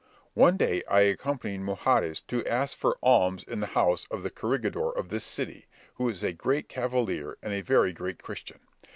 One day I accompanied Mahudes to ask for alms in the house of the corregidor of this city, who is a great cavalier and a very great Christian.